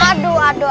aduh aduh aduh